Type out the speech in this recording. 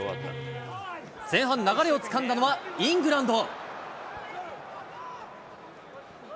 前半、流れをつかんだのはイングランド。